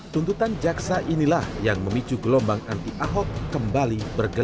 tuntutan jaksa inilah yang memicu gelombang anti ahok kembali